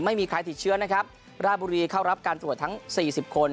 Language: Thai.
ไม่มีใครติดเชื้อนะครับราบุรีเข้ารับการตรวจทั้งสี่สิบคน